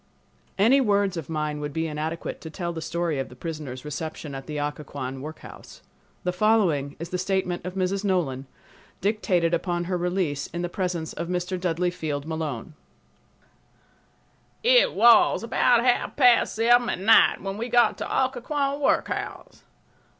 Any words of mine would be inadequate to tell the story of the prisoners' reception at the Occoquan workhouse. The following is the statement of Mrs. Nolan, dictated upon her release, in the presence of Mr. Dudley Field Malone: It was about half past seven at night when we got to Occoquan workhouse.